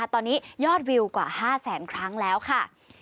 ตอนนี้ยอดวิวกว่า๕แสนครั้งแล้วค่ะ